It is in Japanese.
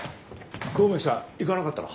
百目鬼さん行かなかったの？